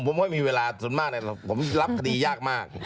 ผมว่ามีเวลาส่วนมากผมรับคดียากมาก